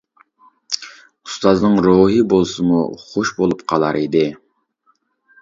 ئۇستازنىڭ روھى بولسىمۇ خوش بولۇپ قالار ئىدى.